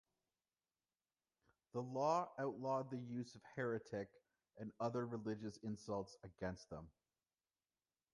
The law outlawed the use of "heretic" and other religious insults against them.